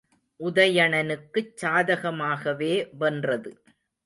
உதயணனுக்குச் சாதகமாகவே வென்றது.